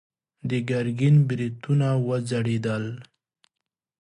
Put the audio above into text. د ګرګين برېتونه وځړېدل.